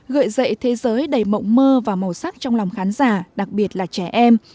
gợi dậy thế giới đầy mộng mơ và màu sắc trong lòng khán giả đặc biệt là trẻ em